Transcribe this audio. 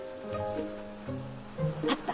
あった！